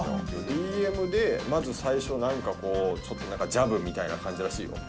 ＤＭで、まず最初、ちょっとなんかジャブみたいな感じらしいよ。